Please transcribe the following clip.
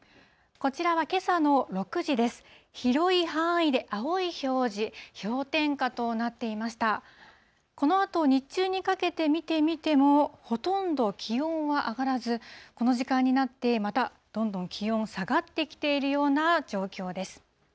このあと日中にかけて見てみても、ほとんど気温は上がらず、この時間になって、また、どんどん気温、下がってきているような状況です。